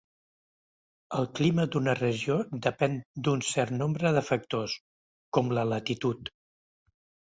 El clima d'una regió depèn d'un cert nombre de factors, com la latitud.